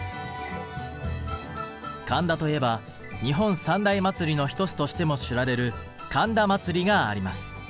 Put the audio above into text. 神田といえば日本三大祭りの一つとしても知られる神田祭があります。